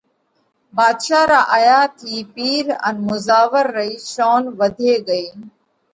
ڀاڌشا را آيا ٿِي پِير ان مُزاور رئي شونَ وڌي ڳئِي۔